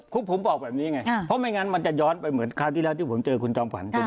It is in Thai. คือผมบอกแบบนี้ไงเพราะไม่งั้นมันจะย้อนไปเหมือนคราวที่แล้วที่ผมเจอคุณจอมขวัญ